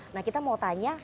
nah kita mau tanya